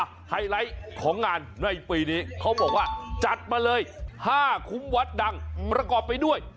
ไฮไลท์ของงานในปีนี้เขาบอกว่าจัดมาเลย๕คุ้มวัดดังประกอบไปด้วย